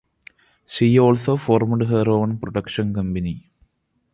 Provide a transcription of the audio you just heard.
She also formed her own production company.